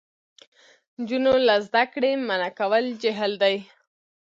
نجونې له زده کړې منع کول جهل دی.